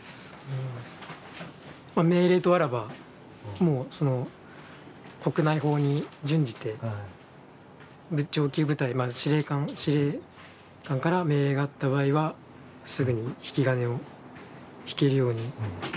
命令とあらば、もう国内法に準じて、上級部隊、司令官から命令が合った場合はすぐに引き金を引けるように。